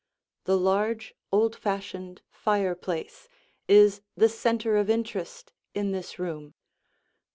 The large, old fashioned fireplace is the center of interest in this room.